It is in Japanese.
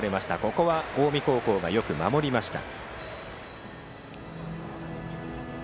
ここは近江高校がよく守りました。